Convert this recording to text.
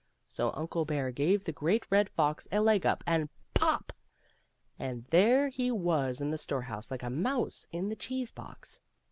So Uncle Bear gave the Great Red Fox a leg up, and — pop! — and there he was in the storehouse like a mouse in the cheese box.